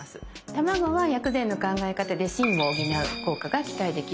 卵は薬膳の考え方で「心」を補う効果が期待できる食材になります。